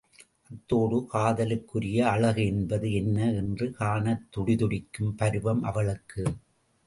அதோடு, காதலுக்குரிய அழகு என்பது என்ன! என்று காணத் துடிதுடிக்கும் பருவம் அவளுக்கு.